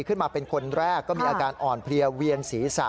เป็นคนแรกก็มีอาการอ่อนเพลียเวียนศีรษะ